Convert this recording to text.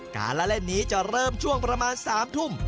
การละเล่นนี้จะเริ่มช่วงประมาณ๓ทุ่ม